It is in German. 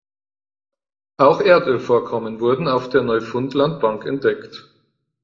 Auch Erdölvorkommen wurden auf der Neufundlandbank entdeckt.